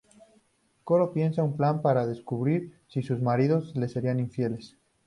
Koro piensa un plan para descubrir si sus maridos les serían infieles.